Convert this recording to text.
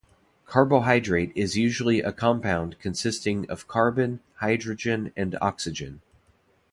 Carbohydrate is usually a compound consisting of carbon, hydrogen and oxygen.